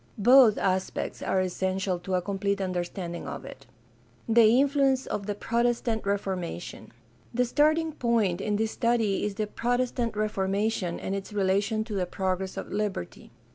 Both aspects are essential to a complete under standing of it. The influence of the Protestant Reformation. — The starting point in this study is the Protestant Reformation and its relation to the progress of liberty.